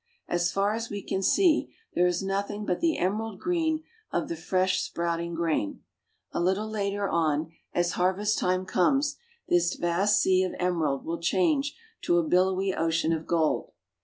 As far as we can see there is nothing but the emerald green of the fresh sprouting grain. A little later on, as harvest time comes, this vast sea of emerald will change to a billowy ocean of gold.